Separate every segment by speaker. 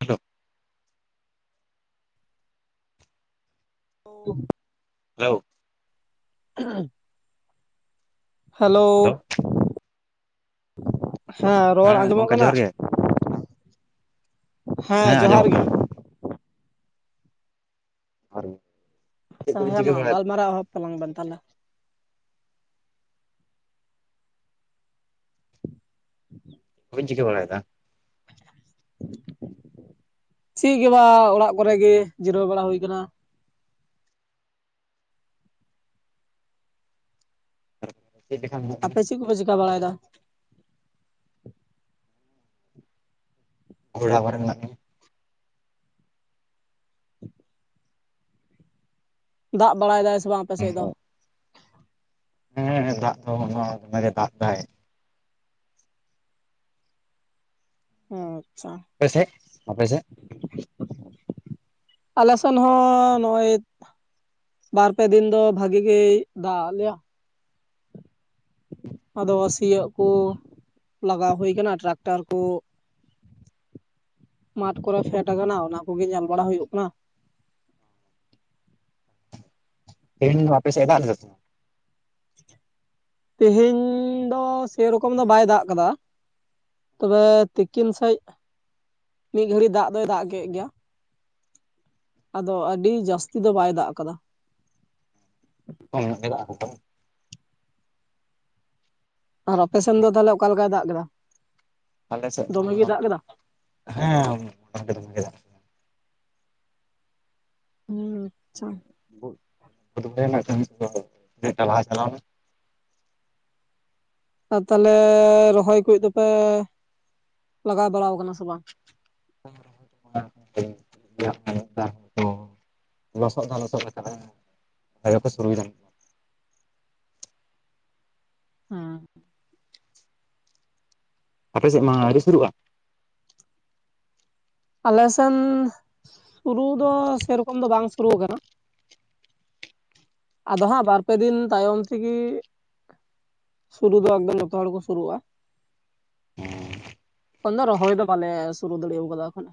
Speaker 1: Hello,
Speaker 2: [inaudible]
Speaker 1: hello
Speaker 2: [unintelligible] hello
Speaker 1: hello
Speaker 2: ᱦᱮᱸ ᱨᱚᱲ ᱟᱸᱡᱚᱢᱚᱜ
Speaker 1: ᱜᱚᱝᱠᱮ
Speaker 2: ᱠᱟᱱᱟ?
Speaker 1: ᱡᱚᱦᱟᱨ ᱜᱮ
Speaker 2: [inaudible] ᱦᱮᱸ ᱡᱚᱦᱟᱨ
Speaker 1: ᱟᱸᱡᱚᱢᱚᱜ
Speaker 2: ᱜᱮ᱾
Speaker 1: ᱠᱟᱱᱟ [unintelligible] ᱪᱮᱫ
Speaker 2: ᱟᱪᱪᱷᱟ,
Speaker 1: ᱠᱚᱵᱤᱱ
Speaker 2: ᱦᱮᱸ
Speaker 1: ᱪᱤᱠᱟᱹ
Speaker 2: ᱢᱟ
Speaker 1: ᱵᱟᱲᱟᱭᱮᱫᱟ
Speaker 2: ᱜᱟᱞᱢᱟᱨᱟᱣ ᱮᱦᱚᱵ ᱛᱟᱞᱟᱝ ᱵᱮᱱ ᱛᱟᱦᱚᱞᱮ᱾ [inaudible]
Speaker 1: ᱵᱟᱹᱧ ᱪᱤᱠᱟᱹ ᱵᱟᱲᱟᱭᱮᱫᱟ᱾
Speaker 2: [inaudible] ᱪᱤ ᱜᱮ ᱵᱟᱝ ᱚᱲᱟᱜ ᱠᱚᱨᱮ ᱜᱮ ᱡᱤᱨᱟᱹᱣ ᱵᱟᱲᱟ ᱦᱩᱭᱠᱟᱱᱟ᱾
Speaker 1: [unintelligible]
Speaker 2: ᱪᱤᱜ ᱠᱩᱯᱮ ᱪᱮᱠᱟ ᱵᱟᱲᱟᱭᱮᱫᱟ?
Speaker 1: ᱚᱲᱟᱜ ᱠᱚᱨᱮ ᱢᱮᱱᱟᱜ ᱞᱮᱭᱟ ᱾
Speaker 2: ᱫᱟᱜ ᱵᱟᱲᱟᱭ ᱫᱟᱭ ᱥᱮ ᱵᱟᱝ ᱟᱯᱮ ᱥᱮᱫ ᱫᱚ?
Speaker 1: ᱦᱮᱸ ᱦᱮᱸ ᱫᱟᱜ ᱫᱚ ᱚᱱᱮ ᱚᱱᱠᱟ ᱜᱮ ᱫᱟᱜ ᱫᱟᱭ᱾
Speaker 2: ᱟᱪᱪᱷᱟ,
Speaker 1: ᱟᱯᱮᱥᱮᱜ ᱟᱯᱮᱥᱮᱜ?
Speaker 2: ᱟᱞᱮ ᱥᱮᱱ ᱦᱚᱸ ᱱᱚᱜ-ᱚᱭ ᱵᱟᱨ ᱯᱮ ᱫᱤᱱ ᱫᱚ ᱵᱷᱟᱜᱤ ᱜᱮᱭ ᱫᱟᱜ ᱟᱜ ᱞᱮᱭᱟ᱾ ᱟᱫᱚ ᱥᱤᱭᱚᱜ ᱠᱩ ᱞᱟᱜᱟᱣ ᱦᱩᱭ ᱟᱠᱟᱱᱟ ᱴᱨᱟᱠᱴᱟᱨ ᱠᱩ ᱢᱟᱴᱷ ᱠᱚᱨᱮ ᱯᱷᱮᱰ ᱟᱠᱟᱱᱟ ᱚᱱᱟ ᱠᱚᱜᱮ ᱧᱮᱞ ᱵᱟᱲᱟ ᱦᱩᱭᱩᱜ ᱠᱟᱱᱟ᱾
Speaker 1: ᱛᱤᱦᱤᱧ ᱫᱚ ᱟᱯᱮ ᱥᱮᱫ ᱫᱟᱜ ᱞᱮᱫᱟ ᱥᱮ ᱵᱟᱝ?
Speaker 2: ᱛᱮᱦᱮᱧ ᱫᱚ ᱥᱮᱨᱚᱠᱚᱢ ᱫᱚ ᱵᱟᱭ ᱫᱟᱜ ᱟᱠᱟᱫᱟ᱾ ᱛᱚᱵᱮ ᱛᱤᱠᱤᱱ ᱥᱮᱡᱽ ᱢᱤᱫ ᱜᱷᱟᱹᱲᱤ ᱫᱟᱜ ᱫᱚᱭ ᱫᱟᱜ ᱠᱮᱫ ᱜᱮᱭᱟ᱾ ᱟᱫᱚ ᱟᱹᱰᱤ ᱡᱟᱹᱥᱛᱤ ᱫᱚ ᱵᱟᱭ ᱫᱟᱜ ᱠᱟᱫᱟ᱾
Speaker 1: ᱠᱚᱢ ᱧᱚᱜᱮ ᱫᱟᱜ ᱟᱠᱟᱫᱟ,
Speaker 2: ᱟᱨ ᱟᱯᱮ ᱥᱮᱱ ᱫᱚ ᱛᱟᱦᱞᱮ ᱚᱠᱟ ᱞᱮᱠᱟᱭ ᱫᱟᱜ ᱠᱮᱫᱟ?
Speaker 1: ᱟᱞᱮᱥᱮᱫ ᱢᱟ
Speaker 2: ᱫᱚᱢᱮ ᱜᱮᱭ ᱫᱟᱜ ᱠᱮᱫᱟ
Speaker 1: ᱦᱮ [unintelligible]
Speaker 2: [unintelligible] ᱟᱪᱪᱷᱟ
Speaker 1: [unintelligible] ᱞᱟᱦᱟ ᱪᱟᱞᱟᱣ ᱢᱮ
Speaker 2: ᱟᱨ ᱛᱟᱦᱚᱞᱮ ᱨᱚᱦᱚᱭ ᱠᱚ ᱫᱚᱯᱮ ᱞᱟᱜᱟᱣ ᱵᱟᱲᱟ ᱠᱟᱱᱟ ᱥᱮ ᱵᱟᱝ?
Speaker 1: [unintelligible] [unintelligible] ᱞᱚᱥᱚᱫ ᱫᱚ ᱞᱚᱥᱚᱫ ᱟᱠᱟᱫᱟ [unintelligible] ᱥᱩᱨᱩᱭ ᱫᱟᱞᱮ
Speaker 2: ᱦᱩᱸ
Speaker 1: ᱟᱯᱮ ᱥᱮᱫ ᱢᱟ ᱟᱹᱣᱨᱤ ᱥᱩᱨᱩᱜ-ᱟ?
Speaker 2: ᱟᱞᱮᱥᱱ ᱥᱩᱨᱩ ᱫᱚ ᱥᱮᱨᱚᱠᱚᱢ ᱫᱚ ᱵᱟᱝ ᱥᱩᱨᱩ ᱠᱟᱱᱟ ᱾ ᱟᱫᱚ ᱦᱟᱸᱜ ᱵᱟᱨ ᱯᱮ ᱫᱤᱱ ᱛᱟᱭᱚᱢ ᱛᱮᱜᱤ ᱥᱩᱨᱩ ᱫᱚ ᱮᱠᱫᱚᱢ ᱡᱚᱛᱚ ᱦᱚᱲ ᱠᱚ ᱥᱩᱨᱩᱜᱼᱟ᱾ ᱠᱷᱚᱱ ᱫᱚ ᱨᱚᱦᱚᱭ ᱫᱚ ᱵᱟᱞᱮ ᱥᱩᱨᱩ ᱫᱟᱲᱮᱣ ᱠᱟᱫᱟ ᱠᱷᱟᱱ᱾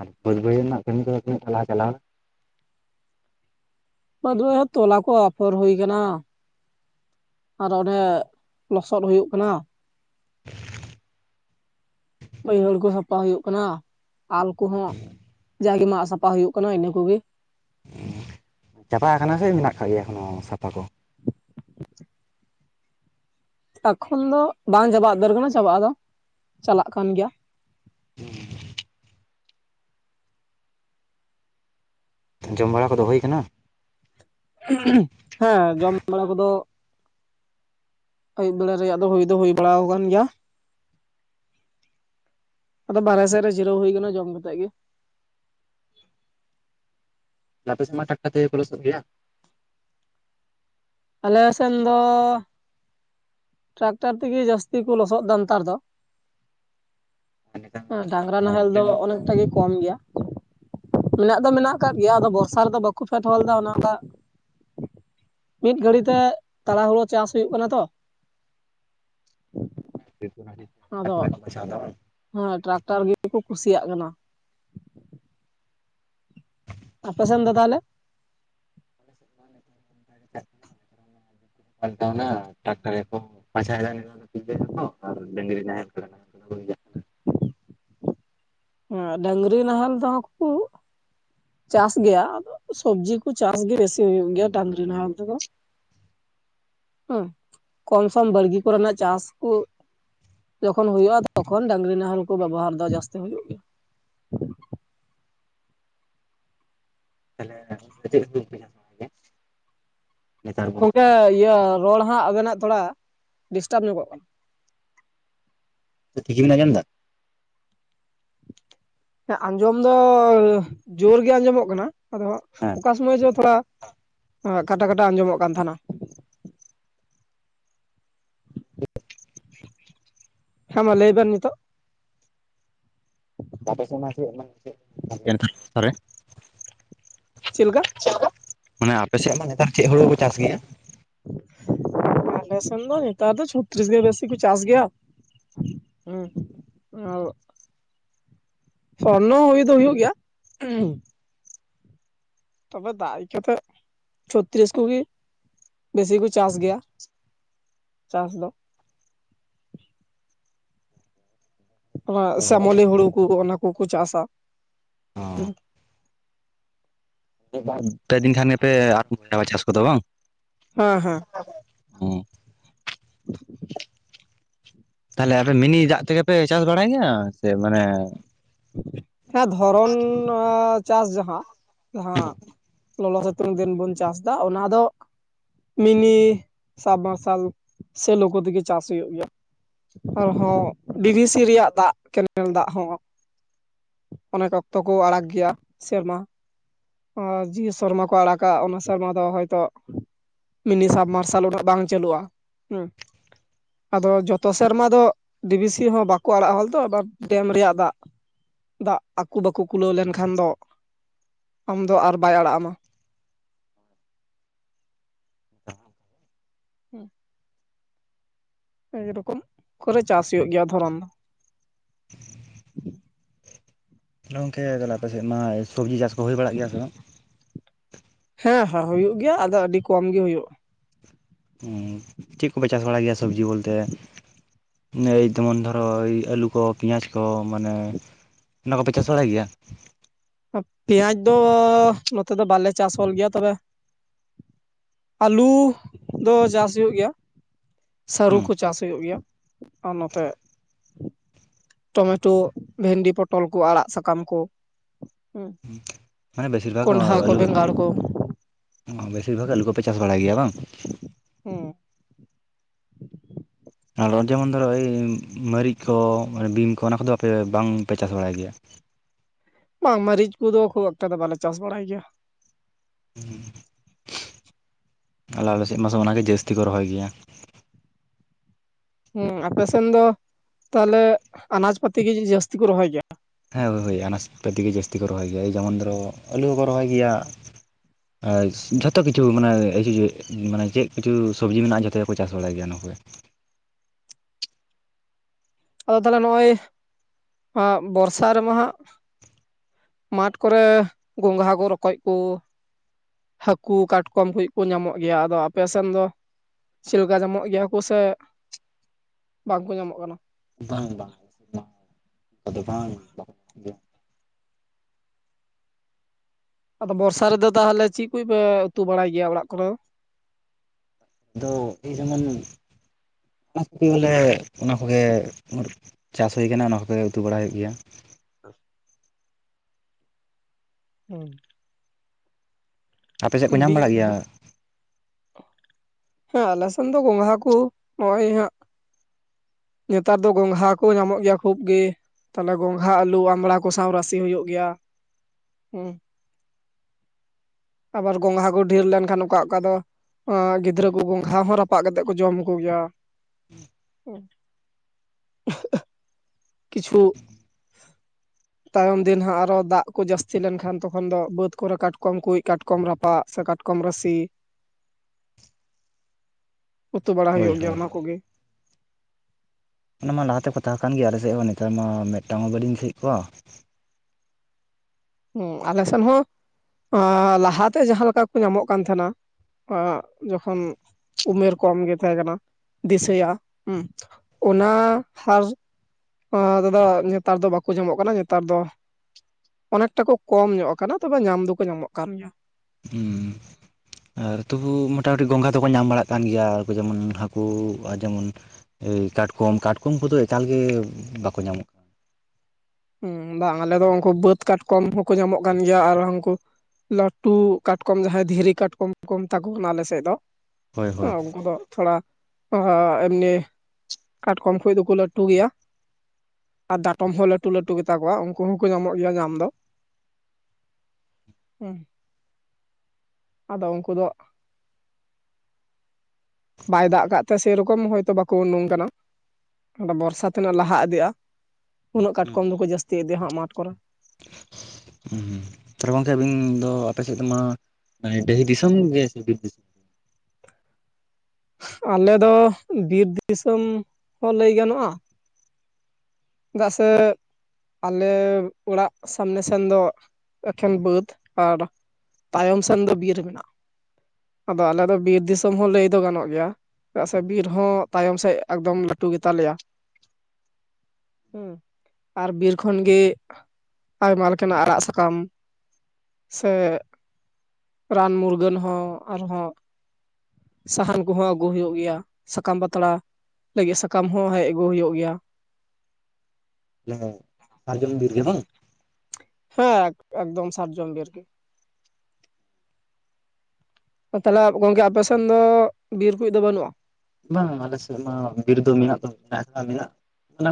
Speaker 1: ᱟᱨ ᱵᱟᱹᱫ ᱵᱟᱹᱭᱦᱟᱲ ᱨᱮᱱᱟᱜ ᱠᱟᱹᱢᱤ ᱫᱚ ᱛᱤᱱᱟᱹᱜ ᱴᱟ ᱞᱟᱦᱟ ᱪᱟᱞᱟᱣᱱ-ᱟ?
Speaker 2: ᱵᱟ. ᱛ ᱵᱟ. ᱭᱦᱟ. ᱲ ᱛᱚᱞᱟ ᱠᱚ ᱟᱯᱷᱚᱨ ᱦᱩᱭ ᱠᱟᱱᱟ᱾ ᱟᱨ ᱚᱱᱮ ᱞᱚᱥᱚᱫ ᱦᱩᱭᱩᱜ ᱠᱟᱱᱟ᱾ ᱵᱟᱹᱭᱦᱟᱹᱲ ᱠᱚ ᱥᱟᱯᱷᱟ ᱦᱩᱭᱩᱜ ᱠᱟᱱᱟ ᱟᱞ ᱠᱚᱦᱚᱸ ᱡᱟᱜᱮ ᱢᱟᱜ ᱥᱟᱯᱷᱟ ᱯᱟ ᱦᱩᱭᱩᱜ ᱠᱟᱱᱟ ᱤᱱᱟᱹ ᱠᱚᱜᱮ ᱾
Speaker 1: ᱪᱟᱵᱟ ᱠᱟᱱᱟ ᱥᱮ ᱢᱮᱱᱟᱜ ᱠᱟᱜ ᱜᱮᱭᱟ ᱮᱠᱚᱱᱳ ᱥᱟᱯᱷᱟ ᱠᱚ?
Speaker 2: ᱮᱠᱷᱚᱱ ᱫᱚ ᱵᱟᱝ ᱪᱟᱵᱟᱜ-ᱟ [unintelligible] ᱪᱟᱵᱟᱜ-ᱟ ᱟᱫᱚ ᱪᱟᱞᱟᱜ ᱠᱟᱱ ᱜᱮᱭᱟ ᱾
Speaker 1: [inaudible] ᱡᱚᱢ ᱵᱟᱲᱟ ᱠᱚᱫᱚ ᱦᱩᱭ ᱠᱟᱱᱟ?
Speaker 2: [unintelligible] ᱦᱮᱸ ᱡᱚᱢ ᱵᱟᱲᱟ ᱠᱚᱫᱚ ᱟᱹᱭᱩᱵ ᱵᱮᱲᱟ ᱨᱮᱭᱟᱜ ᱫᱚ ᱦᱩᱭ ᱫᱚ ᱦᱩᱭ ᱵᱟᱲᱟ ᱟᱠᱟᱱ ᱜᱮᱭᱟ᱾ ᱟᱫᱚ ᱵᱟᱨᱦᱮ ᱥᱮᱜ ᱨᱮ ᱡᱤᱨᱟᱹᱣ ᱦᱩᱭ ᱠᱟᱱᱟ ᱡᱚᱢ ᱠᱟᱛᱮᱫ ᱜᱮ ᱾
Speaker 1: ᱟᱯᱮ ᱥᱮᱫ ᱢᱟ ᱴᱟᱠᱴᱟᱨ ᱛᱮᱜᱮ ᱠᱚ ᱞᱚᱥᱚᱫ ᱜᱮᱭᱟ᱾
Speaker 2: ᱟᱞᱮ ᱥᱮᱱ ᱫᱚ ᱴᱨᱟᱠᱴᱟᱨ ᱛᱮᱜᱮ ᱡᱟᱹᱥᱛᱤ ᱠᱚ ᱞᱚᱥᱚᱫ ᱫᱟ ᱱᱮᱛᱟᱨ ᱫᱚ᱾
Speaker 1: ᱟᱨ ᱱᱮᱛᱟᱨ
Speaker 2: ᱦᱮᱸ ᱰᱟᱝᱨᱟ
Speaker 1: ᱢᱟ
Speaker 2: ᱱᱟᱦᱮᱞ ᱫᱚ ᱚᱱᱮᱠᱴᱟ ᱜᱮ ᱠᱚᱢ ᱜᱮᱭᱟ᱾ ᱢᱮᱱᱟᱜ ᱫᱚ ᱢᱮᱱᱟᱜ ᱟᱠᱟᱫ ᱜᱮᱭᱟ ᱟᱫᱚ ᱵᱚᱨᱥᱟ ᱨᱮᱫᱚ ᱵᱟᱠᱚ ᱯᱷᱮᱴᱦᱚ ᱞᱮᱫᱟ ᱚᱱᱟ ᱫᱟᱜ᱾ ᱢᱤᱫ ᱜᱷᱟᱲᱤ ᱛᱮ ᱛᱟᱞᱟ ᱦᱳᱲᱳ ᱪᱟᱥ ᱦᱳᱭᱳᱜ ᱠᱟᱱᱟ ᱛᱚ᱾
Speaker 1: [inaudible]
Speaker 2: ᱟᱫᱚ,
Speaker 1: ᱜᱮᱠᱚ ᱵᱟᱪᱷᱟᱣ ᱫᱟ ᱵᱟᱝ?
Speaker 2: ᱦᱮᱸ ᱴᱨᱟᱠᱴᱟᱨ ᱜᱮ ᱠᱚ ᱠᱩᱥᱤᱭᱟᱜ ᱠᱟᱱᱟ ᱾ ᱟᱯᱮ ᱥᱮᱱ ᱫᱚ ᱛᱟᱦᱚᱸᱞᱮ?
Speaker 1: [unintelligible] ᱯᱟᱞᱴᱟᱣ ᱱᱟ ᱴᱟᱠᱴᱟᱨ ᱜᱮᱠᱚ, ᱟᱪᱷᱟ [unintelligible] ᱰᱟᱹᱝᱨᱤ ᱱᱟᱦᱮᱞ ᱠᱚᱨᱮᱱᱟᱜ ᱾
Speaker 2: [unintelligible] ᱰᱟᱝᱨᱤ ᱱᱟᱦᱮᱞ ᱫᱚᱦᱚᱸ ᱠᱚ ᱾ ᱪᱟᱥ ᱜᱮᱭᱟ ᱟᱫᱚ ᱥᱚᱵᱽᱡᱤ ᱠᱚ ᱪᱟᱥ ᱜᱮ ᱵᱮᱥᱤ ᱦᱩᱭᱩᱜ ᱜᱮᱭᱟ ᱰᱟᱹᱝᱨᱤ ᱱᱟᱦᱮᱞ ᱛᱮᱫᱚ᱾ ᱦᱩᱸ, ᱠᱚᱢ ᱥᱚᱢ ᱵᱟᱲᱜᱤ ᱠᱚᱨᱮᱱᱟᱜ ᱪᱟᱥ ᱠᱩ᱾ ᱡᱚᱠᱷᱚᱱᱳ ᱦᱳᱭᱳᱜᱼᱟ ᱛᱚᱠᱷᱚᱱ ᱰᱟᱹᱟᱝᱨᱤ ᱱᱟᱦᱮᱞ ᱠᱚ ᱵᱮᱵᱚᱦᱟᱨ ᱫᱟ ᱡᱟᱹᱥᱛᱤ ᱦᱳᱭᱩᱜ ᱜᱮ,
Speaker 1: ᱛᱟᱦᱚᱞᱮ ᱠᱟᱹᱴᱤᱡ ᱠᱟᱹᱴᱤᱡ ᱜᱮᱯᱮ ᱧᱟᱢᱟ᱾ ᱵᱚᱨᱥᱟ
Speaker 2: ᱜᱚᱝᱠᱮ
Speaker 1: ᱨᱮ?
Speaker 2: ᱤᱭᱟᱹ ᱨᱚᱲ ᱦᱟᱸᱜ ᱟᱵᱮᱱᱟᱜ ᱛᱷᱚᱲᱟ ᱰᱤᱥᱴᱟᱵᱽ ᱧᱚᱜᱚᱜ ᱠᱟᱱᱟ᱾
Speaker 1: [inaudible] ᱟᱸᱡᱚᱢ ᱫᱟ?
Speaker 2: ᱦᱮᱸ ᱟᱸᱡᱚᱢ ᱫᱚ ᱡᱳᱨ ᱜᱮ ᱟᱸᱡᱚᱢᱚᱜ ᱠᱟᱱᱟ, ᱟᱫᱚ ᱚᱠᱟ
Speaker 1: ᱦᱮᱸ
Speaker 2: ᱚᱠᱟ ᱥᱚᱢᱚᱭ ᱫᱚ ᱛᱷᱚᱲᱟ ᱠᱟᱴᱟ ᱠᱟᱴᱟ ᱟᱸᱡᱚᱢᱚᱜ ᱠᱟᱱ ᱛᱟᱦᱮᱱᱟ ᱾
Speaker 1: [unintelligible]
Speaker 2: [inaudible] ᱦᱮᱸ ᱢᱟ ᱞᱟᱹᱭ ᱵᱤᱱ ᱱᱤᱛᱚᱜ᱾
Speaker 1: [inaudible]
Speaker 2: ᱪᱮᱫ ᱞᱮᱠᱟ
Speaker 1: ᱢᱟᱱᱮ ᱟᱯᱮ ᱥᱮᱫ ᱢᱟ ᱱᱮᱛᱟᱨ ᱪᱮᱫ ᱦᱳᱲᱳ ᱠᱚ ᱪᱟᱥ ᱜᱮᱭᱟ?
Speaker 2: ᱟᱞᱮ ᱥᱮᱱ ᱫᱚ ᱱᱮᱛᱟᱨ ᱫᱚ ᱪᱷᱚᱛᱨᱤᱥ ᱜᱮ ᱵᱮᱥᱤ ᱠᱚ ᱪᱟᱥ ᱜᱮᱭᱟ᱾ [inaudible] ᱥᱚᱨᱱᱚ ᱦᱩᱭ ᱫᱚ ᱦᱩᱭᱩᱜ ᱜᱮᱭᱟ [inaudible] ᱛᱚᱵᱮ ᱫᱟᱜ ᱦᱮᱡ ᱠᱟᱛᱮᱜ ᱪᱷᱚᱛᱨᱤᱥ ᱠᱚᱜᱤ ᱵᱤᱥᱤ ᱠᱚ ᱪᱟᱥ ᱜᱮᱭᱟ ᱾ ᱪᱟᱥ ᱫᱚ? ᱚᱱᱟ ᱥᱮᱢᱞᱤᱤ ᱦᱩᱲᱩ ᱠᱚᱠᱚ ᱚᱱᱟ ᱠᱚᱠᱚ ᱪᱟᱥ-ᱟ᱾
Speaker 1: ᱚ ᱢᱤᱫᱽ, ᱵᱟᱨ, ᱯᱮ, ᱫᱤᱱ ᱠᱷᱟᱱ ᱜᱮᱯᱮ [unintelligible] ᱪᱟᱥ ᱠᱚᱫᱚ ᱵᱟᱝ᱾
Speaker 2: ᱦᱮᱸ ᱦᱮᱸ᱾
Speaker 1: ᱦᱩᱸ, ᱛᱟᱦᱞᱮ ᱟᱯᱮ ᱢᱤᱱᱤ ᱫᱟᱜ ᱛᱮ ᱜᱮᱯᱮ ᱪᱟᱥ ᱵᱟᱲᱟᱭ ᱜᱮᱭᱟ ᱥᱮ ᱢᱟᱱᱮ?
Speaker 2: ᱦᱮᱸ ᱫᱷᱚᱨᱚᱱ ᱪᱟᱥ ᱡᱟᱦᱟᱸ ᱡᱟᱦᱟᱸ ᱞᱚᱞᱚ ᱥᱤᱛᱩᱝ ᱫᱤᱱ ᱵᱚᱱ ᱪᱟᱥ ᱫᱟ ᱚᱱᱟ ᱫᱚ ᱢᱤᱱᱤ ᱥᱟᱵᱢᱟᱨᱥᱟᱞ ᱥᱮᱞᱳ ᱠᱚ ᱛᱮᱜᱮ ᱪᱟᱥ ᱦᱩᱭᱩᱜ ᱜᱮᱭᱟ᱾ ᱟᱨᱦᱚᱸ ᱰᱤᱵᱤᱥᱤ ᱨᱮᱭᱟᱜ ᱫᱟᱜ ᱠᱮᱱᱮᱞ ᱫᱟᱜ ᱦᱚᱸ᱾ ᱚᱱᱮᱠ ᱚᱠᱛᱚ ᱠᱚ ᱟᱲᱟᱜ ᱜᱮᱭᱟ ᱥᱮᱨᱢᱟ ᱟᱨ ᱡᱤ ᱥᱮᱨᱢᱟ ᱠᱚ ᱟᱲᱟᱜᱟ ᱚᱱᱟ ᱥᱮᱨᱢᱟ ᱫᱚ ᱦᱚᱭᱛᱚ ᱢᱤᱱᱤ ᱥᱟᱵ ᱢᱟᱨᱥᱟᱞ ᱩᱱᱟᱹᱜ ᱵᱟᱝ ᱪᱟᱹᱞᱩᱜ-ᱟ ᱦᱩᱸ, ᱟᱫᱚ ᱡᱚᱛᱚ ᱥᱮᱨᱢᱟ ᱫᱚ ᱰᱤᱵᱤᱤᱥᱤ ᱦᱚᱸ ᱵᱟᱠᱚ ᱟᱲᱟᱜ ᱦᱚᱫ ᱫᱚ ᱟᱵᱟᱨ ᱰᱮᱢ ᱨᱮᱭᱟᱜ ᱫᱟᱜ, ᱫᱟᱜ ᱟᱠᱩ ᱵᱟᱠᱚ ᱠᱩᱞᱟᱹᱣ ᱞᱮᱱᱠᱷᱟᱱ ᱫᱚ ᱟᱢ ᱫᱚ ᱟᱨ ᱵᱟᱭ ᱟᱲᱟᱜ ᱟᱢᱟ, [unintelligible] ᱮᱭ ᱨᱚᱠᱚᱢ ᱠᱚᱨᱮ ᱪᱟᱥ ᱦᱩᱭᱩᱜ ᱜᱮᱭᱟ ᱫᱷᱚᱨᱚᱱ ᱫᱚ᱾
Speaker 1: ᱛᱟᱦᱚᱞᱮ ᱜᱚᱝᱠᱮ ᱛᱟᱦᱚᱞᱮ ᱢᱟ ᱥᱚᱵᱡᱤ ᱪᱟᱥ ᱠᱚ ᱦᱩᱭ ᱵᱟᱲᱟᱜ ᱜᱮᱭᱟ ᱥᱮ ᱵᱟᱝ?
Speaker 2: ᱦᱮᱸ ᱦᱮᱸ ᱦᱩᱭᱩᱜ ᱜᱮᱭᱟ ᱟᱫᱚ ᱟᱹᱰᱤ ᱠᱚᱢ ᱜᱮ ᱦᱩᱭᱩᱜ-ᱟ᱾
Speaker 1: ᱪᱮᱫ ᱠᱚᱯᱮ ᱪᱟᱥ ᱵᱟᱲᱟᱭ ᱜᱮᱭᱟ ᱥᱚᱵᱡᱤ ᱵᱚᱞᱛᱮ ᱚᱭ ᱡᱮᱢᱚᱱ ᱫᱷᱚᱨᱚ ᱟᱹᱞᱩ ᱠᱚ ᱯᱮᱸᱭᱟᱡ ᱠᱚ ᱢᱟᱱᱮ ᱚᱱᱟ ᱠᱚᱯᱮ ᱪᱟᱥ ᱵᱟᱲᱟᱭ ᱜᱮᱭᱟ?
Speaker 2: ᱯᱮᱸᱭᱟᱡ ᱫᱚ ᱱᱚᱛᱮ ᱫᱚ ᱵᱟᱞᱮ ᱪᱟᱥ [unintelligible] ᱜᱮᱭᱟ ᱛᱚᱵᱮ ᱟᱞᱩ ᱫᱚ ᱪᱟᱥ ᱦᱩᱭᱩᱜ ᱜᱮᱭᱟ᱾ ᱥᱟᱹᱨᱩ
Speaker 1: ᱦᱩᱸ
Speaker 2: ᱠᱚ ᱪᱟᱥ ᱦᱩᱭᱩᱜ ᱜᱮᱭᱟ, ᱟᱨ ᱱᱚᱛᱮ ᱴᱚᱢᱮᱴᱳ ᱵᱷᱮᱱᱰᱤ ᱯᱚᱴᱚᱞ ᱠᱚ ᱟᱲᱟᱜ ᱥᱟᱠᱟᱢ ᱠᱚ ᱦᱮᱸ᱾
Speaker 1: ᱢᱟᱱᱮ ᱵᱮᱥᱤᱨ ᱵᱷᱟᱜᱽ
Speaker 2: ᱠᱚᱸᱰᱦᱟ ᱠᱚ
Speaker 1: ᱟᱹᱞᱩ
Speaker 2: ᱵᱮᱝᱜᱟᱲ ᱠᱚ,
Speaker 1: [unintelligible] ᱵᱮᱥᱤᱨ ᱵᱷᱟᱜᱽ ᱟᱞᱩ ᱠᱚᱯᱮ ᱪᱟᱥ ᱵᱟᱲᱟᱭ ᱜᱮᱭᱟ ᱵᱟᱝ?
Speaker 2: ᱦᱮᱸ,
Speaker 1: ᱡᱮᱢᱚᱱ ᱫᱷᱚᱨᱚ ᱳᱭ ᱢᱟᱹᱨᱤᱪ ᱠᱚ ᱵᱤᱢ ᱠᱚ ᱚᱱᱟ ᱠᱚᱫᱚ ᱟᱯᱮ ᱵᱟᱝᱯᱮ ᱪᱟᱥ ᱵᱟᱲᱟᱭ ᱜᱮᱭᱟ?
Speaker 2: ᱵᱟᱝ ᱢᱟᱹᱨᱤᱪ ᱠᱚᱫᱚ ᱠᱷᱩᱵ ᱮᱠᱴᱟ ᱫᱚ ᱵᱟᱞᱮ ᱪᱟᱥ ᱵᱟᱲᱟᱭ ᱜᱮᱭᱟ ᱾
Speaker 1: ᱟᱞᱮ ᱥᱮᱫ ᱢᱟᱥᱮ ᱚᱱᱟᱜᱮ ᱡᱟᱹᱥᱛᱤ ᱠᱚ ᱨᱚᱦᱚᱭ ᱜᱮᱭᱟ ᱾
Speaker 2: ᱦᱮᱸ ᱟᱯᱮ ᱥᱮᱱ ᱫᱚ ᱛᱟᱦᱚᱞᱮ ᱟᱱᱟᱡ ᱯᱟᱹᱛᱤ ᱜᱮ ᱡᱟᱹᱥᱛᱤ ᱠᱚ ᱨᱚᱦᱚᱭ ᱜᱮᱭᱟ?
Speaker 1: ᱦᱮᱸ ᱦᱩᱭᱩ ᱟᱱᱟᱡᱯᱟᱛᱤ ᱜᱮ ᱡᱟᱹᱥᱛᱤ ᱠᱚ ᱨᱚᱦᱚᱭ ᱜᱮᱭᱟ ᱡᱮᱢᱚᱱ ᱫᱚ ᱟᱹᱞᱩ ᱦᱚᱸᱠᱚ ᱨᱚᱦᱚᱭ ᱜᱮᱭᱟ ᱟᱨ ᱡᱚᱛᱚ ᱠᱤᱪᱷᱩ ᱢᱟᱱᱮ ᱢᱟᱱᱮ ᱪᱮᱫ ᱠᱤᱪᱷᱩ ᱥᱚᱵᱡᱤ ᱢᱮᱱᱟᱜ-ᱟ ᱡᱷᱚᱛᱚ ᱜᱮᱠᱚ ᱪᱟᱥ ᱵᱟᱲᱟᱭ ᱜᱮᱭᱟ ᱱᱚᱣᱟ ᱠᱚᱨᱮ᱾
Speaker 2: ᱟᱫᱚ ᱛᱟᱦᱚᱞᱮ ᱱᱚᱜ-ᱚᱭ ᱵᱚᱨᱥᱟ ᱨᱮᱢᱟ ᱦᱟᱸᱜ ᱢᱟᱴ ᱠᱚᱨᱮ ᱜᱚᱝᱜᱷᱟ ᱠᱩ ᱨᱚᱠᱚᱡ ᱠᱩ ᱦᱟᱹᱠᱩ ᱠᱟᱴᱠᱚᱢ ᱠᱩ ᱧᱟᱢᱚᱜ ᱜᱮᱭᱟ ᱟᱫᱚ ᱟᱯᱮᱥᱱ ᱫᱚ ᱥᱮᱣᱠᱟ ᱧᱟᱢᱚᱜ ᱜᱮᱭᱟ ᱠᱚ ᱥᱮ ᱵᱟᱝᱠᱚ ᱧᱟᱢᱚᱜ ᱠᱟᱱᱟ?
Speaker 1: ᱵᱟᱝ ᱵᱟᱝ ᱵᱟᱝ ᱟᱫᱚ ᱵᱟᱝ ᱵᱟᱝ᱾
Speaker 2: ᱟᱫᱚ ᱵᱚᱨᱥᱟ ᱨᱮᱫᱚ ᱛᱟᱦᱚᱞᱮ ᱪᱮᱫ ᱠᱩᱡ ᱯᱮ ᱩᱛᱩ ᱵᱟᱲᱟᱭ ᱜᱮᱭᱟ ᱚᱲᱟᱜ ᱠᱚᱨᱮ?
Speaker 1: ᱟᱫᱚ ᱮᱭ ᱡᱮᱢᱚᱱ ᱩᱛᱩᱭᱟᱞᱮ ᱚᱱᱟ ᱠᱚᱜᱮ, ᱪᱟᱥ ᱦᱩᱭ ᱠᱟᱱᱟ ᱚᱱᱟ ᱠᱚᱜᱮ ᱩᱛᱩ ᱵᱟᱲᱟ ᱦᱩᱭᱩᱜ ᱜᱮᱭᱟ᱾
Speaker 2: [inaudible] ᱦᱩᱸ᱾
Speaker 1: ᱟᱯᱮ ᱥᱮᱫ ᱠᱚ ᱧᱟᱢ
Speaker 2: ᱵᱤᱨ
Speaker 1: ᱵᱟᱲᱟᱜ ᱜᱮᱭᱟ?
Speaker 2: ᱦᱮᱸ ᱟᱞᱮᱥᱱ ᱫᱚ ᱜᱚᱝᱜᱷᱟ ᱠᱩ ᱱᱚᱸᱜᱼᱚᱭ ᱦᱟᱸᱜ ᱱᱮᱛᱟᱨ ᱫᱚ ᱜᱚᱸᱜᱷᱟ ᱠᱚ ᱧᱟᱢᱚᱜ ᱜᱮᱭᱟ ᱠᱷᱩᱵ ᱜᱮ᱾ ᱛᱟᱦᱞᱮ ᱜᱚᱝᱜᱷᱟ ᱟᱹᱞᱩ ᱟᱢᱲᱟ ᱠᱚ ᱥᱟᱶ ᱨᱟᱥᱮ ᱦᱩᱭᱩᱜ ᱜᱮᱭᱟ ᱦᱩᱸ᱾
Speaker 1: [inaudible]
Speaker 2: ᱟᱵᱟᱨ ᱜᱚᱝᱜᱷᱟ ᱠᱩ ᱰᱷᱮᱨ ᱞᱮᱱᱠᱷᱟᱱ ᱚᱠᱟ ᱚᱠᱟ ᱫᱚ ᱟᱸ ᱜᱤᱫᱽᱨᱟᱹ ᱠᱩ ᱜᱚᱸᱜᱷᱟ ᱦᱚᱸ ᱨᱟᱯᱟᱜ ᱠᱟᱛᱮᱜ ᱠᱩ ᱡᱚᱢ ᱠᱚᱜᱮᱭᱟ᱾ ᱠᱤᱪᱷᱩ
Speaker 1: [inaudible]
Speaker 2: ᱛᱟᱭᱚᱢ ᱫᱤᱱ ᱦᱟᱸᱜ ᱟᱨᱚ ᱫᱟᱜ ᱠᱚ ᱡᱟᱹᱥᱛᱤ ᱞᱮᱱᱠᱷᱟᱱ ᱛᱚᱠᱷᱚᱱ ᱫᱚ ᱵᱟᱹᱫ ᱠᱚᱨᱮ ᱠᱟᱴᱠᱚᱢ ᱠᱩᱡ ᱠᱟᱴᱠᱚᱢ ᱨᱟᱯᱟᱜ ᱥᱮ ᱠᱟᱴᱠᱚᱢ ᱨᱟᱥᱤ
Speaker 1: [inaudible]
Speaker 2: ᱩᱛᱩ ᱵᱟᱲᱟ
Speaker 1: ᱦᱳᱭ
Speaker 2: ᱦᱳᱭᱳᱜ ᱜᱮᱭᱟ
Speaker 1: ᱦᱳᱭ
Speaker 2: ᱚᱱᱟ ᱠᱚᱜᱮ᱾
Speaker 1: ᱚᱱᱟ ᱢᱟ ᱞᱟᱦᱟ ᱠᱟᱛᱷᱟ ᱠᱟᱱ ᱜᱮᱭᱟ ᱟᱞᱮ ᱥᱮᱫᱢᱟ ᱱᱮᱛᱟᱨ ᱢᱟ ᱢᱤᱫᱴᱟᱝ ᱦᱚ ᱵᱟᱝᱞᱤᱝ ᱫᱤᱥᱟᱹᱭᱮᱫ ᱠᱚᱣᱟ᱾
Speaker 2: ᱦᱩᱸ ᱟᱞᱮ ᱥᱮᱱ ᱦᱚᱸ ᱞᱟᱦᱟ ᱛᱮ ᱡᱟᱦᱟᱸ ᱞᱮᱠᱟ ᱠᱚ ᱧᱟᱢᱚᱜ ᱠᱟᱱ ᱛᱟᱦᱮᱸᱱᱟ, ᱟᱸᱜ ᱡᱚᱠᱷᱚᱱ ᱩᱢᱮᱨ ᱠᱚᱢ ᱜᱮ ᱛᱟᱦᱮᱸ ᱠᱟᱱᱟ ᱫᱤᱥᱟᱹᱭᱟ ᱩᱸ ᱚᱱᱟ ᱦᱟᱨ ᱚᱱᱟ ᱛᱮᱫᱚ ᱱᱮᱛᱟᱨ ᱫᱚ ᱵᱟᱠᱚ ᱧᱟᱢᱚᱜ ᱠᱟᱱᱟ ᱱᱮᱛᱟᱨ ᱫᱚ ᱚᱱᱮᱠᱴᱟ ᱠᱚ ᱠᱚᱢ ᱧᱚᱜ ᱠᱟᱱᱟ ᱛᱚᱵᱮ ᱧᱟᱢ ᱫᱚᱠᱚ ᱧᱟᱢᱚᱜ ᱠᱟᱱ ᱜᱮᱭᱟ᱾
Speaker 1: ᱦᱩᱸ᱾ ᱟᱨ ᱛᱚᱵᱩ ᱢᱚᱴᱟᱢᱳᱴᱤ ᱜᱚᱸᱜᱷᱦᱟ ᱫᱚᱠᱚ ᱧᱟᱢ ᱵᱟᱲᱟᱜ ᱠᱟᱱ ᱜᱮᱭᱟ ᱟᱨ ᱡᱮᱢᱚᱱ ᱦᱟᱹᱠᱩ ᱟᱨ ᱡᱮᱢᱚᱱ ᱮ. ᱭ ᱠᱟᱴᱠᱚᱢ ᱠᱟᱴᱠᱚᱢ ᱠᱚᱫᱚ ᱮᱠᱟᱞᱜᱮ ᱵᱟᱠᱚ ᱧᱟᱢᱚᱜ ᱠᱟᱱᱟ
Speaker 2: ᱦᱩᱸ ᱵᱟᱝ ᱟᱞᱮ ᱫᱚ ᱩᱱᱠᱩ ᱵᱟᱹᱫᱽ ᱠᱟᱴᱠᱚᱢ ᱦᱚᱸᱠᱚ ᱧᱟᱢᱚᱜ ᱠᱟᱱ ᱜᱮᱭᱟ ᱟᱨ ᱦᱟᱝᱠᱩ ᱞᱟᱺᱴᱩ ᱠᱟᱴᱠᱚᱢ ᱡᱟᱦᱟᱸᱭ ᱫᱷᱤᱨᱤ ᱠᱟᱴᱠᱚᱢ ᱠᱚ ᱢᱮᱛᱟ ᱠᱚ ᱠᱟᱱᱟ ᱟᱞᱮᱥᱮᱫ ᱫᱚ
Speaker 1: ᱦᱳᱭ ᱦᱳᱭ
Speaker 2: ᱦᱟᱸ ᱩᱱᱠᱩ ᱫᱚ ᱛᱷᱚᱲᱟ ᱦᱟ ᱮᱢᱱᱤ ᱠᱟᱴᱠᱚᱢ ᱠᱷᱚᱱ ᱫᱚᱠᱚ ᱞᱟᱹᱴᱩ ᱜᱮᱭᱟ᱾ ᱟᱨ ᱰᱟᱴᱚᱢ ᱦᱚᱸ ᱞᱟᱹᱴᱩ ᱞᱟᱹᱴᱩ ᱜᱮᱛᱟ ᱠᱚᱣᱟ, ᱩᱱᱠᱩ ᱦᱚᱸᱠᱚ ᱧᱟᱢᱚᱜ ᱜᱮᱭᱟ ᱧᱟᱢ ᱫᱚ ᱦᱮᱸ ᱟᱫᱚ ᱩᱝᱠᱩ ᱫᱚ ᱵᱟᱭ ᱫᱟᱜ ᱠᱟᱜ ᱛᱮ ᱥᱮᱭᱨᱚᱠᱚᱢ ᱦᱭᱛᱚ ᱵᱟᱠᱚ ᱩᱰᱩᱝ ᱠᱟᱱᱟ, ᱟᱫᱚ ᱵᱚᱨᱥᱟ ᱛᱤᱱᱟᱹᱜ ᱞᱟᱦᱟ ᱤᱫᱤᱜᱼᱟ ᱩᱱᱟᱹᱜ
Speaker 1: ᱦᱩᱸ
Speaker 2: ᱠᱟᱴᱠᱚᱢ ᱫᱚᱠᱚ ᱡᱟᱹᱥᱛᱤ ᱤᱫᱤᱜ ᱦᱟᱸᱜ ᱢᱟᱴᱷ ᱠᱚᱨᱮ᱾
Speaker 1: ᱦᱩᱸ ᱛᱟᱦᱚᱞᱮ ᱜᱚᱝᱠᱮ ᱟᱵᱤᱱ ᱫᱚ ᱟᱯᱮ ᱥᱮᱫ ᱢᱟ ᱮ ᱰᱟᱹᱦᱤ ᱫᱤᱥᱚᱢ ᱜᱮ ᱥᱮ ᱵᱤᱨ ᱫᱤᱥᱚᱢ?
Speaker 2: ᱟᱞᱮ ᱫᱚ ᱵᱤᱨ ᱫᱤᱥᱚᱢ ᱦᱚᱸ ᱞᱟᱹᱭ ᱜᱟᱱᱚᱜᱼᱟ ᱫᱟᱜ ᱥᱮᱜ ᱟᱞᱮ ᱚᱲᱟᱜ ᱥᱟᱢᱱᱮ ᱥᱮᱱ ᱫᱚ ᱮᱠᱷᱮᱱ ᱵᱟᱹᱫᱽ ᱟᱲ ᱛᱟᱭᱚᱢ ᱥᱮᱱ ᱫᱚ ᱵᱤᱨ ᱢᱮᱱᱟᱜᱼᱟ ᱟᱫᱚ ᱟᱞᱮ ᱫᱚ ᱵᱤᱨ ᱫᱤᱥᱚᱢ ᱦᱚᱸ ᱞᱟᱹᱭ ᱫᱚ ᱜᱟᱱᱚᱜ ᱜᱮᱭᱟ᱾ ᱪᱮᱫᱟᱜ ᱥᱮ ᱵᱤᱨ ᱦᱚᱸ ᱛᱟᱭᱚᱢ ᱥᱮᱫ ᱮᱠᱫᱚᱢ ᱞᱟᱺᱴᱩ ᱜᱮᱛᱟᱞᱮᱭᱟ᱾ ᱦᱮᱸ ᱟᱨ ᱵᱤᱨ ᱠᱷᱚᱱ ᱜᱮ ᱟᱭᱢᱟ ᱞᱮᱠᱟᱱᱟᱜ ᱟᱲᱟᱜ ᱥᱟᱠᱟᱢ ᱥᱮ ᱨᱟᱱ ᱢᱩᱨᱜᱟᱹᱱ ᱦᱚᱸ ᱟᱨ ᱦᱚᱸ ᱥᱟᱦᱟᱱ ᱠᱚᱦᱚᱸ ᱟᱹᱜᱩ ᱦᱩᱭᱩᱜ ᱜᱮᱭᱟ ᱥᱟᱠᱟᱢ ᱯᱟᱛᱲᱟ ᱞᱟᱹᱜᱤᱡ ᱥᱟᱠᱟᱢ ᱦᱚᱸ ᱦᱮᱡᱽ ᱟᱹᱜᱩ ᱦᱳᱭᱳᱜ ᱜᱮᱭᱟ᱾
Speaker 1: ᱞᱮᱜᱟ ᱥᱟᱨᱡᱚᱢ ᱵᱤᱨ ᱜᱮ ᱵᱟᱝ?
Speaker 2: ᱦᱮᱸ ᱟᱛ ᱮᱠᱫᱚᱢ ᱥᱟᱨᱡᱚᱢ ᱵᱤᱨ ᱜᱮ᱾ ᱛᱟᱦᱞᱮ ᱜᱚᱝᱠᱮ ᱟᱯᱮᱥᱮᱱ ᱫᱚ ᱵᱤᱨ ᱠᱩ ᱫᱚ ᱵᱟᱹᱱᱩᱜ-ᱟ?
Speaker 1: ᱵᱟᱝᱟ ᱟᱞᱮ ᱥᱮᱡ ᱢᱟ ᱵᱤᱨᱫᱚ ᱢᱮᱱᱟᱜ ᱫᱚ ᱢᱮᱱᱟᱜ ᱟᱠᱟᱫ ᱜᱮᱭᱟ᱾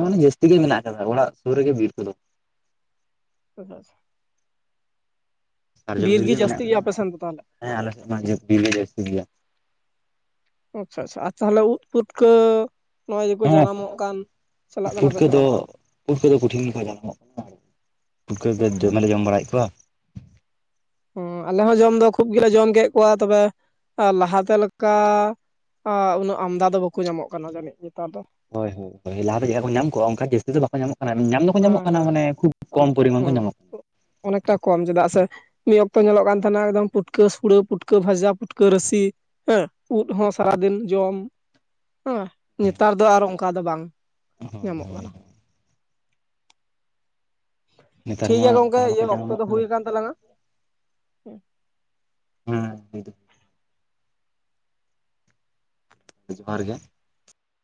Speaker 1: ᱢᱟᱱᱮ ᱡᱟᱹᱥᱛᱤ ᱜᱮ ᱢᱮᱱᱟᱜ ᱟᱠᱟᱫᱟ ᱚᱲᱟᱜ ᱥᱩᱨ ᱨᱮᱜᱮ ᱵᱤᱨ ᱠᱚᱫᱚ᱾
Speaker 2: ᱪᱮᱫᱟᱜ ᱥᱮ
Speaker 1: ᱥᱟᱨᱡᱚᱢ ᱵᱤᱨ ᱜᱮ
Speaker 2: ᱡᱟᱹᱥᱛᱤ
Speaker 1: ᱢᱮᱱᱟᱜ
Speaker 2: ᱜᱮᱭᱟ ᱟᱯᱮᱥᱮᱱ ᱫᱚ ᱛᱟᱦᱚᱞᱮ
Speaker 1: ᱟᱠᱟᱫᱟ ᱟᱞᱮ ᱴᱷᱮᱱ ᱢᱟ ᱵᱤᱨ ᱜᱮ ᱡᱟᱹᱥᱛᱤ ᱜᱮᱭᱟ᱾
Speaker 2: ᱟᱪᱷᱟ ᱟᱪᱷᱟ ᱟᱨ ᱛᱟᱦᱚᱞᱮ ᱩᱫ ᱯᱩᱴᱠᱟᱹ ᱠᱚ ᱡᱟᱱᱟᱢᱚᱜ ᱠᱟᱱ ᱪᱟᱞᱟᱜ ᱠᱟᱱᱟ ᱯᱮ
Speaker 1: ᱯᱷᱩᱴᱠᱟᱹ
Speaker 2: ᱥᱮ
Speaker 1: ᱫᱚ
Speaker 2: ᱵᱟᱝ
Speaker 1: ᱯᱷᱩᱴᱠᱟᱹ ᱫᱚ ᱠᱚᱴᱷᱤᱱ ᱜᱮᱠᱚ ᱡᱟᱱᱟᱢ ᱚᱜ ᱠᱟᱱᱟ᱾ ᱯᱩᱴᱠᱟ. ᱜᱮ ᱫᱚᱢᱮ ᱞᱮ ᱡᱚᱢ ᱵᱟᱲᱟᱮᱫ ᱠᱚᱣᱟ᱾
Speaker 2: ᱦᱚ ᱟᱞᱮ ᱦᱚᱸ ᱡᱚᱢ ᱫᱚ ᱠᱷᱩᱵ ᱜᱮᱞᱮ ᱡᱚᱢ ᱠᱮᱫ ᱠᱚᱣᱟ ᱛᱚᱵᱮ ᱞᱟᱦᱟᱛᱮ ᱞᱮᱠᱟ ᱩᱱᱟᱹᱜ ᱟᱢᱫᱟ ᱫᱚ ᱵᱟᱠᱚ ᱧᱟᱢᱚᱜ ᱠᱟᱱᱟ ᱡᱟᱹᱱᱤᱡ ᱱᱮᱛᱟᱨ ᱫᱚ᱾
Speaker 1: ᱦᱳᱭ ᱦᱚᱭ ᱞᱟᱦᱟ ᱪᱮᱫ ᱞᱮᱠᱟ ᱠᱚ ᱧᱟᱢ ᱠᱚ-ᱟ ᱚᱱᱠᱟ ᱡᱟᱹᱥᱛᱤ ᱫᱚ ᱵᱟᱠᱚ ᱧᱟᱢᱚᱜ ᱧᱟᱢ ᱫᱚᱠᱚ
Speaker 2: ᱦᱮᱸ
Speaker 1: ᱧᱟᱢᱚᱜ
Speaker 2: ᱦᱮᱸ
Speaker 1: ᱠᱟᱱᱟ ᱢᱟᱱᱮ ᱠᱷᱩᱵ ᱠᱚᱢ ᱯᱚᱨᱤᱢᱟᱱ ᱠᱚ
Speaker 2: ᱦᱩᱸ
Speaker 1: ᱧᱟᱢᱚᱜ
Speaker 2: ᱚᱱᱮᱠᱴᱟ ᱠᱚᱢ ᱪᱮᱫᱟᱜ ᱥᱮ ᱢᱤᱫ ᱚᱠᱛᱚ ᱧᱮᱞᱚᱜ ᱠᱟᱱ ᱛᱟᱦᱮᱱᱟ ᱮᱠᱫᱚᱢ ᱯᱩᱴᱠᱟᱹ ᱥᱩᱲᱟᱹ ᱯᱩᱴᱠᱟᱹ ᱵᱷᱟᱡᱟ ᱯᱩᱴᱠᱟᱹ ᱨᱟᱹᱥᱤ ᱦᱮᱸ ᱩᱫ ᱦᱚ ᱥᱟᱨᱟᱫᱤᱱ ᱡᱚᱢ, ᱚᱸ ᱱᱮᱛᱟᱨ ᱫᱚ ᱟᱨ ᱚᱱᱠᱟ ᱫᱚ ᱵᱟᱝ
Speaker 1: ᱠᱟᱱᱟ ᱦᱳᱭ
Speaker 2: ᱧᱟᱢᱚᱜ
Speaker 1: ᱦᱳᱭ
Speaker 2: ᱠᱟᱱᱟ᱾
Speaker 1: ᱱᱮᱛᱟᱨ ᱢᱟ
Speaker 2: ᱴᱷᱤᱠᱜᱮᱭᱟ ᱜᱚᱝᱠᱮ
Speaker 1: ᱚᱱᱠᱟ ᱵᱟᱠᱚ
Speaker 2: ᱤᱭᱟᱹ ᱚᱠᱛᱚ
Speaker 1: ᱧᱟᱢᱚᱜ
Speaker 2: ᱫᱚ
Speaker 1: ᱠᱟᱱᱟ
Speaker 2: ᱦᱩᱭᱠᱟᱱ ᱛᱟᱞᱟᱝ ᱟ᱾
Speaker 1: ᱦᱮ ᱦᱩᱭ ᱫᱚ ᱡᱚᱦᱟᱨ ᱜᱮ,